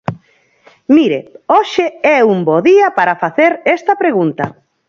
Mire, hoxe é un bo día para facer esta pregunta.